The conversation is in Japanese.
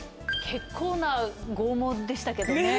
結構な剛毛でしたけどね。